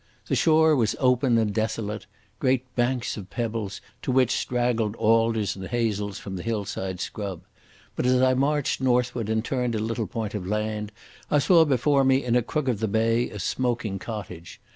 The shore was open and desolate—great banks of pebbles to which straggled alders and hazels from the hillside scrub. But as I marched northward and turned a little point of land I saw before me in a crook of the bay a smoking cottage.